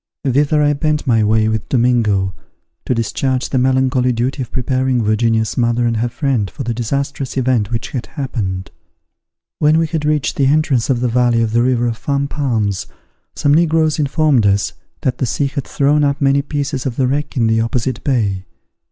Thither I bent my way with Domingo, to discharge the melancholy duty of preparing Virginia's mother and her friend for the disastrous event which had happened. When we had reached the entrance of the valley of the river of Fan Palms, some negroes informed us that the sea had thrown up many pieces of the wreck in the opposite bay.